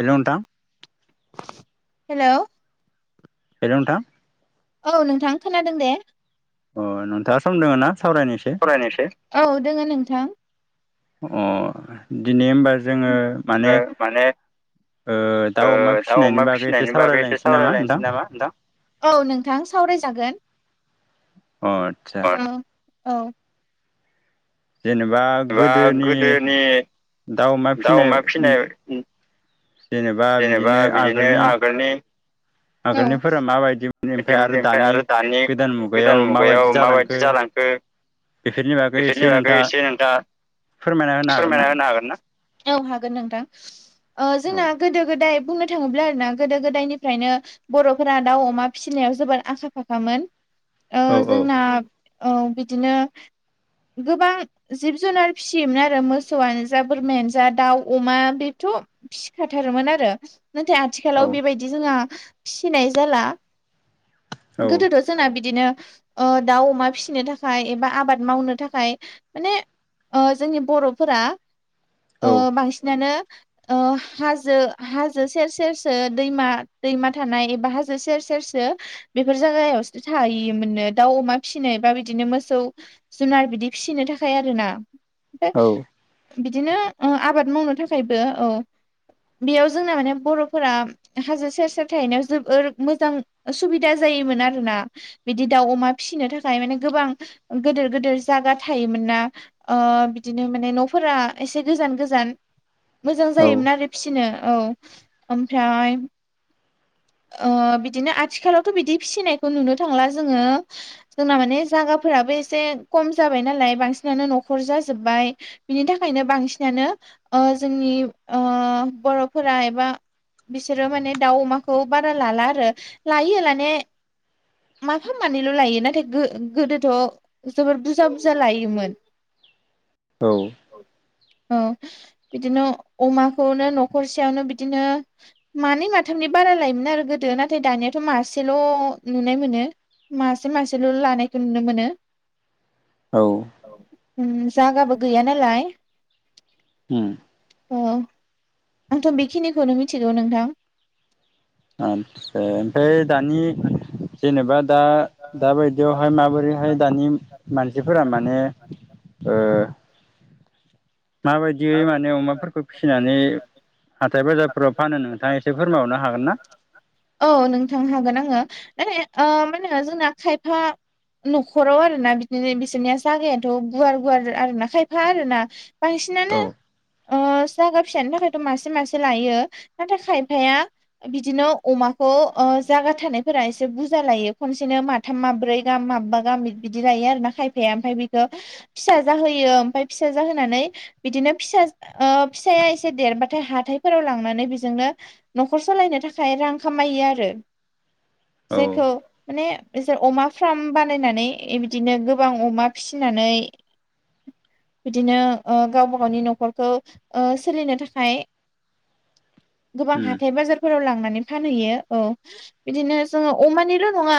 हेल' नोंथां hello hello नोंथां औ नोंथां खोनादों दे अ नोंथाङा सम दङ ना सावरायनोसै फरायनोसै औ दोङ नोंथां अ दिनै होनबा जोङो माने ओ ओ‌ दाउ दाउ अमा बागै एसे फिसिनायनि बागै एसे सावरायलायनोसै नामा नोंथां सावरायलायनोसै नामा नोंथां औ नोंथां सावरायजागोन अ आदसा औ औ जेनेबा गोदोनि दाउ अमा फिनायनि जेनेबा बिदिनो आगोलनि आगोलनिफोरा माबायदि मोन ओमफ्राय आरो दानि गोदान मुगायाव माबायदि जालांखो बेफोरनि बागै एसे बेफोरनि बागै एसे नोंथाङा फोरमायना होनो नोंथाङा हागोन ना फोरमायना होनो हागोन औ हागोन नोंथां जोंना औ गोदो गो गोदा बुंनो थाङोब्ला आरोना गोदो गोदायनिफ्रायनो बर'फोरा दाउ अमा फिसिनायाव जोबोद आखा फाखामोन ओ औ जोंना ओं बिदिनो गोबां जिब जुनार फिसियोमोन आरो मोसौआनो जा बोरमायानो जा दाउ अमा बे थ' फिसिखथारोमोन आरो नाथाय आथिखालाव औ बेबायदि जोंहा फिसिनाय जाला औ गोदोथ' जोंना बिदिनो ओ दाउ अमा फिसिनो थाखाय एबा आबाद मावनो थाखाय माने ओ जोंनि बर'फोरा औ ओ बांसिनानो ओ हाजो हाजो सेर सेरसो दैमा दैमा थानाय एबा हाजो सेर सेरसो बेफोर जागायावसो थायोमोन दाउ अमा फिसिनाय बा बिदिनो मोसौ जुनार बिदि फिसिनो थाखाय आरोना । औ ओमफ्राय बिदिनो ओ आबाद मावनो थाखायबो औ बेयाव जोंना माने बर'फोरा हाजो सेर सेर थाहैनायाव जोबोर मोजां सुबिदा जायोमोन आरो ना बिदि दाउ अमा फिसिनो थाखाय माने गोबां गेदिर गेदिर जागा थायोमोन ना ओ बिदिनो माने न'फोरा एसे गोजान गोजान मोजां जायोमोन आरो फिसिनो औ ओमफ्राय ओ बिदिनो आथिखालावथ' बिदि फिसिनायखौ नुनो थांला जोङो जोंना माने जागा फोराबो एसे खम जाबाय नालाय बांसिनानो न'खर जाजोब्बाय बिनि थाखायनो बांसिनानो ओ जोंनि ओ बर'फोरा एबा बिसोरो माने दाउ अमा खौ बारा लाला आरो लायो लानाया माफा मानैल' लायो नाथाय गो-गोदोथ' जबोर बुरजा बुरजा लायोमोन औ औ बिदिनो अमाखौनो न'खरसेयावनो बिदिनो मानै माथाम नि बारा लायोमोन आरो गोदो नाथाय दानियाथ' मासेल' नुनाय मोनो मासे मासेल' लानायखौ नुनो मोनो । औ ओम जागाबो गैया नालाय । ओम औ आंथ' बेखिनिखौनो मिथिगौ नोंथां । आदसा ओमफ्राय दानि जेनबा दा दा बायदियावहाय माबोरैहाय दानि मानसिफोरा माने ओ माबायदियै माने अमाफोरखौ फिसिनानै हाथाय बाजारफोराव फानो नोंथाङा एसे फोरमाय हरनो हागोन ना? औ नोंथां हागोन आङो माने मा होनो जोंना खायफा न'खराव आरो ना बिदिनो बिसोरनिया जागायाथ' गुवार गुवार आरो ना खायफा आरो ना बां सिनानो औ ओ जागा फिसानि थाखायथ' मासे मासे लायो नाथाय खायफाया बिदिनो अमाखौ खौ ओ जागा थानायफोरा एसे बुरजा लायो खनसेनो माथाम माब्रै गाहाम माब्बा गाहाम बिदि लायो । आरो खायफाया ओमफ्राय बेखौ फिसा जाहोयो ओमफ्राय फिसा जाहोनानै बिदिनो फिसा ओ फिसाया एसे देरबाथाय हाथायफोराव लांनानै बेजोंनो न'खर सालायनो थाखाय रां खामायो आरो । औ जायखौ माने बिसोर अमा फार्म बानायनानै बिदिनो गोबां अमा फिसि नानै बिदिनो ओ गावबा गावनि न'खरखौ ओ सोलिनो थाखाय गोबां उम हाथाय बाजारफोराव लांनानै फानहैयो औ बिदिनो जोङो अमानिल' नङा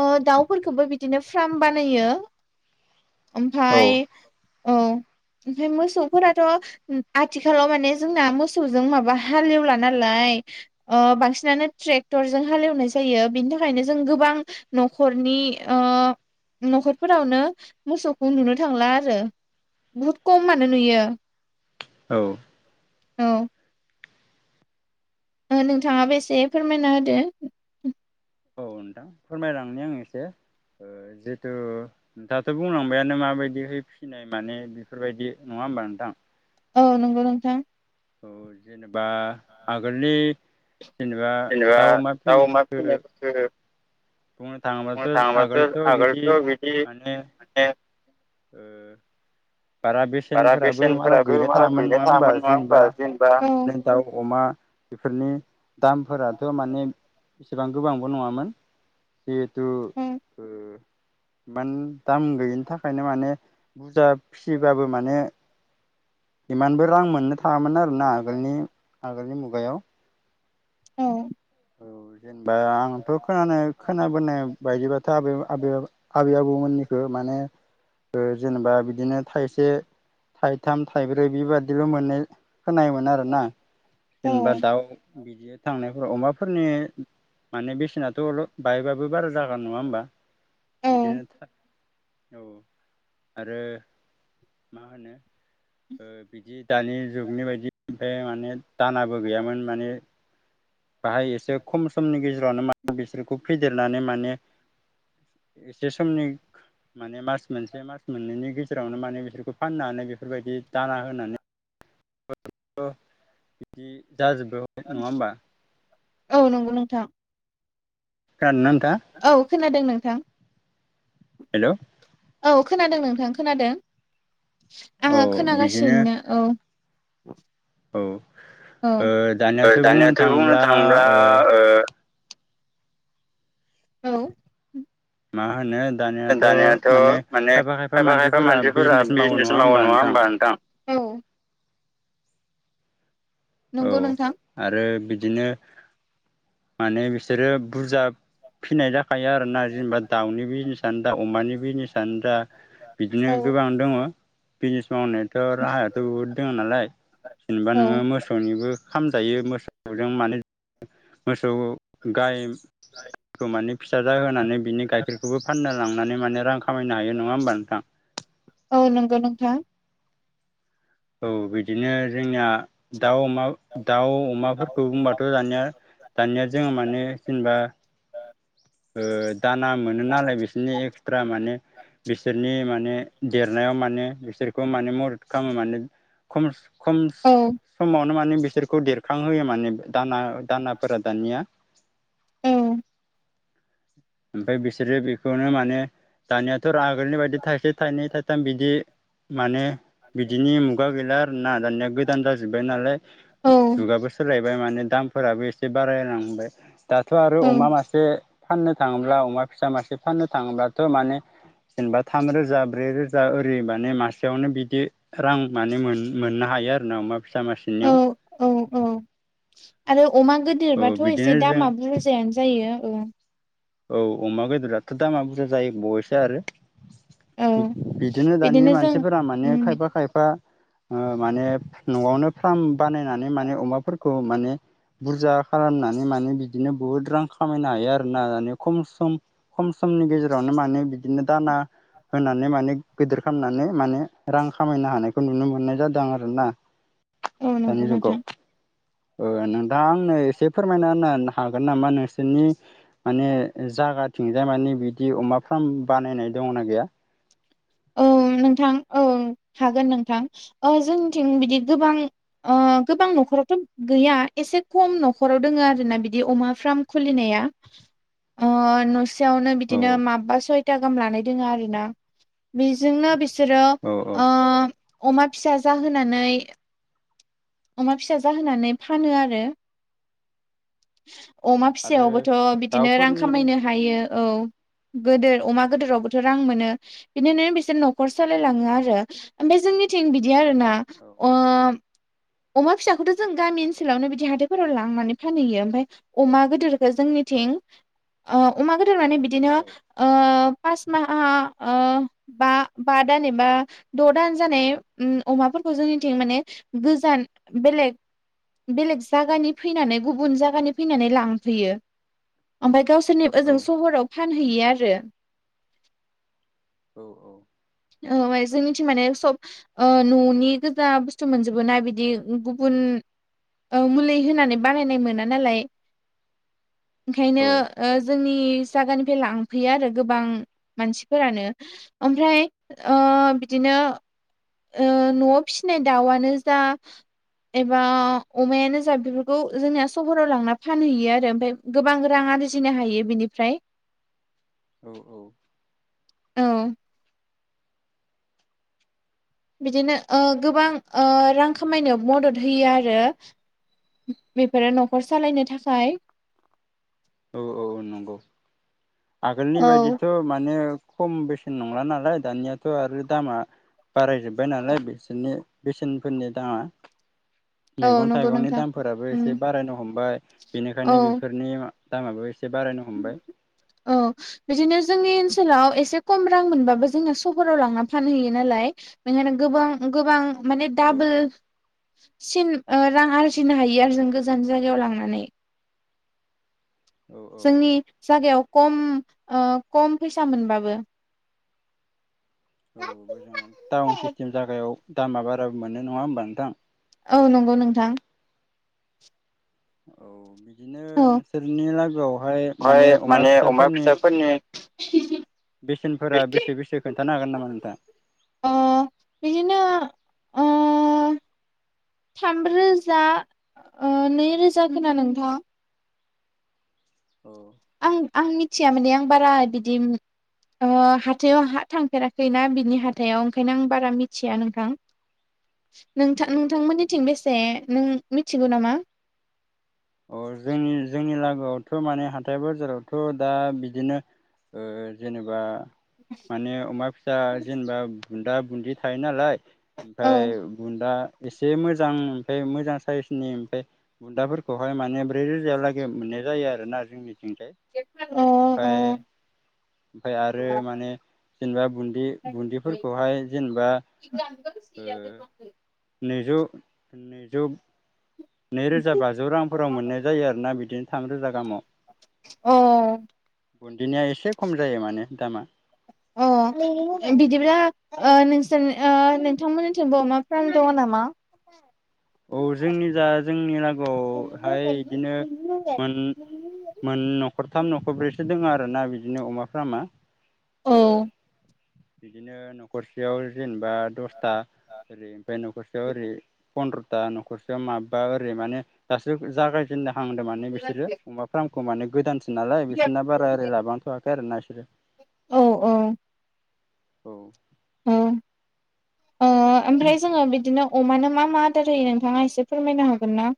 ओ दाउफोरखौबो बिदिनो फार्म बानायो । [unintelligible] औ ओमफ्राय औ । ओमफ्राय मोसौफोराथ' आथिखालाव माने जोंना मोसौजों माबा हालेवला नालाय । ओ बांसिनानो ट्रेक्टरजों हालेवनाय जायो बेनि थाखायनो जों गोबां न'खरनि ओ न'खरफोरावनो मोसौखौ नुनो थांला आरो बुहुद खमानो नुयो । औ । औ । नोंथाङाबो एसे फोरमायना होदो । औ नोंथां फोरमायलांनि आं एसे । जिहेथु नोंथांङाथ' बुंलांबायानो माबायदिहै फिसिनाय माने बेफोरबायदि नङा नङा होनबा नोंथां? औ नंगौ नोंथां । औ जेनेबा आगोलनि जेनेबा दाउ अमा फिनायफोरखो बुंनो थाङोबाथ' [unintelligible] बिदि आगोलथ बिदि माने ओ बारा बारा बेसेनफोराबो बारा बेसेनफोराबो गैनो बारा थाङामोन गैलाय नङा होनबा थाङामोन नङा जेनेबा होमबा जेनेबा बिदिनो दाउ अमा बेफोरनि दामफोराथ' माने इसिबां गोबांबो नङामोन जिहेथु ओ एमान दाम गैयिनि थाखायनो माने बुरजा फिसिबाबो माने इमानबो रां मोननो थाङामोन आरोना आगोलनि आगोलनि मुगायाव । औ । औ । जेनेबा आंथ' खोनानो खोनाबोनाय बायदिबाथ' आबै आबै आबै आबौमोननिखो माने ओ जेनेबा बिदिनो थाइसे थाइथाम थाइब्रै बेबायदिल' मोननाय खोनायोमोन आरोना औ जेनेबा दाउ बिदि थांनायफ्राव अमा फोरनि माने बेसेनाथ र बायबाबो बारा जागोन नङा होमबा? बिदिनो था औ आरो मा होनो ओ बिदि दानि जुगनि बायदि ओमफाय माने दानाबो गैयामोन माने बाहाय एसे खम समनि गेजेरावनो मा बिसोरखौ फेदेरनानै माने एसे समनि माने मास मोनसे मास मोननैनि गेजेरावनो माने बिसोरखौ फाननानै बेफोरबायदि दाना होनानै अ बिदि जाजोबबोबाय नङा होमबा? औ नोंगौ नोंथां । खोनादों ना नोंथाङा? खोनादों नोंथां । हेलौ । औ खोनादों नोंथां खोनादों आंङो औ बिदिनो खोनागासिनो औ । औ औ ओ दानियाथ बुंनो थाङोब्ला ओ औ । मा होनो दानियाथ माने खायफा खायफा मानसिफोरा बिजनेस मावो नङा होमबा नोंथां? औ । औ नंगौ नोंथां। आरो बिदिनो माने बिसोरो बुरजा फिनाय जाखायो आरोना जेनेबा दाउनि बिजनेस जा अमानि बिजनेसानो जा बिदिनो औ गोबां दङ बिजनेस मावनायाथ राहायाथ बहुद दङ नालाय जेनेबा औ नोङो मोस निबो खामजायो मोसौजों माने मोसौ गाय खौ माने फिसा जाहोनानै बिनि गाइखेरखौबो फाननो लांनानै माने रां खामा होननो हायो नङा होमबा नोंथां। औ नंगौ नोंथां। औ बिदिनो जोंनिया। दाउ अमा दाउ औ अमाफोरखौ बुंबाथ' दानिया दानिया जोङो माने जेनेबा ओ दाना मोनो नालाय बिसोरनि एक्सट्रा माने बिसोरनि माने ने देरनायाव माने बिसोरखौ माने मदद खालामो माने खम खम समावनो माने बिसोरखौ देरखांहोयो माने दाना दानाफोरा दानिया औ ओमफाय बिसोरो बेखौनो माने दानियाथ' रागोलनि बायदि थाइसे थाइनै थाइथाम बिदि माने बिदिनि मुगा गैला ना दानिया गोदान जाजोबबाय नालाय औ जुगाबो सोलाय। बाय माने दामफोराबो एसे बारालांबाय दाथ' आरो अमा मासे फाननो थाङोब्ला अमा फिसा मासे फाननो थाङोब्लाथ' माने जेनबा थाम रोजा ब्रै रोजा ओरै माने मासेयावनो बिदि रां माने मोन मोननो हायो आरो ना अमा फिसा औ मासेनियाव। औ औ आरो अमा औ गोदिरबाथ' बिदिनो एसे जों दामा बुरजायानो जायो औ। औ अमा बेदराथ' दामा बुरजा जायो बयसो आरो। औ बिदिनो दानि मानसिफोरा माने उम खायफा खायफा ओ माने नआवनो फार्म बानायनानै माने अमाफोर खौ माने बुरजा खालामनानै माने बिदिनो बुहुत रां खामायनो हायो आरोना माने। खम सम खम समनि गेजेरावनो माने बिदिनो दाना होनानै माने गोदिर खालामनानै माने रां खामायनो हानायखौ नुनो मोननाय जादों आं आरो ना। औ नोंगौ नोंथां। ओ नोंथाङा आंनो एसे फोरमायना होनोन हागोन नामा नोंसोरनि माने जा जागाथिंजाय माने बिदि अमा फाराम बानायनाय दंना गैया? औ नोंथां ओं हागोन नोंथां जोंनिथिं बिदि गोबां अ गोबां नखरावथ' गैया एसे खम नखर दोंङो आरोना बिदि अमा फार्म खुलिनाया। या अ न खाथियावनो औ बिदिनो माबबा सयथा गाहाम लानाय दोंङ आरोना बेजोंनो बिसोरो औ औ ओ अमा फिसा जाहोनानै। अमा फिसा जाहोनानै फानो आरो। औ अमा आरो फिसायावबोथ' बिदिनो रां दाउफोरनि खामायनो हायो औ। गोदोर अमा गोदोरावबोथ' रां औ मोनो बिनिनो बिसोर नखर सलायलांङो आरो ओमफाय जोंनिथिं बिदि। बिदि आरोना औ ओ अमा फिसाखौथ' जों गामि ओनसोलावनो बिदि हाथााइफोराव लांनानै फानहैयो ओमफाय अमा गोदोर। औ जोंनिथिं ओ अमा गोदोर माने बिदिनो औ ओ फास माहा ओ‌ बा बा दान एबा द' दान जानाय उं अमाफोरखौ जोंनिथिं माने गोजान बेलेग-बेलेग जागानि फैनानै गुबुन जागानि फैनानै लांफैयो। ओमफाय गावसोरनि औ ओजों सहराव फानहैयो आरो औ-औ औ जोंनिथिं माने सब ओ ननि गोजा बुस्थु मोनजोबो ना बिदि। गुबुन ओ मुलि होनानै बानायनाय मोना नालाय। ओंखायनो ओ जोंनि जागानिफ्राय लांफैयो आरो गोबां मानसिफोरानो ओमफ्राय ओ बिदि बिदिनो ओ नआव फिसिनाय दाउआनो जा एबा अमायानो जा बेफोरखौ जोंनिया सहराव लांना फानहैयो आरो ओमफाय गोबां रांं रां आरजिनो हायो बिनिफ्राय औ-औ औ बिदिनो ओ गोबां ओ रां खामायनो मदद होयो आरो बेफोरो न'खर सालायनो थाखाय औ-औ-औ नंगौ आगोलनि बायदिथ' औ मानो खम बेसेन नंला नालाय दानियाथ‌' आरो दामा बारायजोब्बाय नालाय बिसोरनि बेसेनफोरनि दामा मेगन नंगौ थाइगंनि नोंथां दामफोराबो उम एसे बारायनो हमबाय । औ बेनिखायनो बेफोरनि दामाबो एसे बारायनो हमबाय औ बिदिनो जोंनि ओनसोलाव एसे खम रां मोनबाबो जोंना सहराव लांना फानहैयो नालाय बेखायनो गोबां-गोबां माने औ डाबोल सिन ओ रां आरजिनो हायो आरो जों गोजान जायगायाव लांनानै औ औ जोंनि औ जायागायाव ओ खम ओ खम फैसा मोनबाबो औ [unintelligible] टाउन सिस्टेम जागायाव दामा बाराबो मोनो नंङा होनबा नोंथां । औ नोंगौ नोंथां । औ बि दिनो औ नोंसोरनि लागोआवहाय माने अमा फिसाफोरनि बेसेनफोरा बेसे-बेसे खोन्थानो हागोन नामा नोंथां? अ बिदिनो अ थाम रोजा ओ नैरोजा खोना नोंथां औ आं-आं मिथिया माने आं बारा बिदि ओ हाथायाव हा थांफेराखैना बिनि हाथाइयाव ओंखायनो आं बारा मिथिया नोंथां । नोंथां नोंथांमोननिथिं बेसे नों मिथिगौ नामा? अ जोंनि-जोंनि लागोआवथ' माने हाथाय बाजारावथ' दा बिदिनो ओ जेनेबा माने अमा फिसा जेनेबा बुन्दा बुन्दि थायो नालाय औ ओमफ्राय बुन्दा एसे मोजां ओमफ्राय मोजां साइसनि ओमफ्राय बुन्दाफोरखौहाय माने ब्रै रोजालागै मोननाय जायो आरोना जोंनिथिंजाय अ ओमफ्राय अ ओमफ्राय आरो माने जेनेबा बुन्दि बुन्दिफोरखौहाय जेनेबा ओ [unintelligible] नैजौ नैजौ नैरोजा बाजौ रांफोराव मोननाय जायो आरोना बिदिनो थामरोजा गाहामाव अ बुन्दिनिया एसे खम जायो माने दामा । अ बिदिब्ला नोंसोर नोंथांमोननिथिंबो अमा फार्म दङ नामा? [unintelligible] औ जोंनि जा जोंनि लागोआवहाय बिदिनो मोन मोन न'खरथाम न'खरब्रैसो दङ आरो ना बि बिदिनो अमाफ्रा मा औ ओ बिदिनो न'खरसेयाव जेने बा दसथा ओरै ओमफ्राय न'खरसेयाव ओरै फन्द्र' था न'खरसेयाव माबबा ओरै माने दासो जागायजेन हांदों माने बिसोरो अमा फार्मखौ माने गोदान नालाय बिसोरना बारा ओरै लाबांथ'वाखै आरो ना इसोरो । औ औ औ औ ओ ओमफ्राय जोङो बिदिनो अमानो मा मा आदार होयो नोंथाङा एसे फोरमायनो हागोन ना